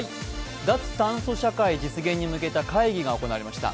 脱炭素社会に向けた会議が行われました。